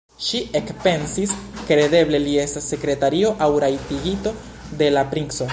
Ŝi ekpensis: kredeble li estas sekretario aŭ rajtigito de la princo!